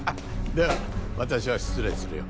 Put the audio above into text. では私は失礼するよ。